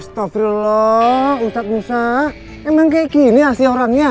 astagfirullah ustadz musa emang kayak gini ya sih orangnya